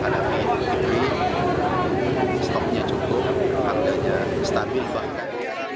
tapi stopnya cukup harganya stabil banget